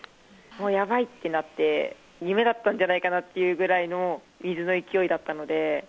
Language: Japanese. もうやばいってなって、夢だったんじゃないかなっていうぐらいの水の勢いだったので。